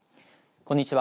こんにちは。